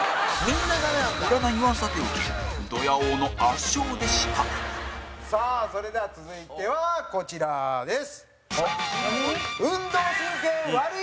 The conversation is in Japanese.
占いは、さておきドヤ王の圧勝でしたさあ、それでは続いては、こちらです。